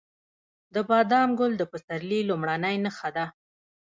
د بادام ګل د پسرلي لومړنی نښه ده.